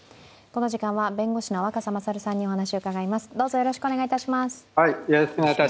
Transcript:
この時間は弁護士の若狭勝さんにお話を伺います。